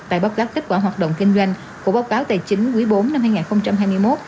tại báo cáo kết quả hoạt động kinh doanh của báo cáo tài chính quý bốn năm hai nghìn hai mươi một